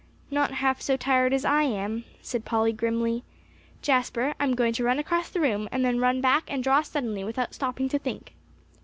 "Not half so tired as I am," said Polly grimly. "Jasper, I'm going to run across the room, and then run back and draw suddenly without stopping to think."